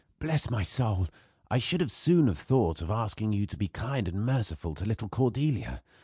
Bless my soul! I should as soon have thought of asking you to be kind and merciful to little Cordelia!